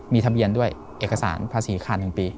มีทะเบียนด้วยเอกสารภาษีขาด๑ปี